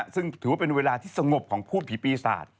ซึ่งถือว่าเป็นเวลาที่สงบของพูดผีปีศาจ